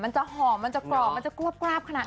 มันจะกรอบและกรอบขนาดนั้น